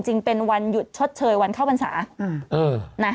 จริงเป็นวันหยุดชดเชยวันเข้าพรรษา